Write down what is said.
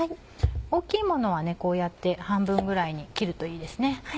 大きいものはこうやって半分ぐらいに切るといいですね。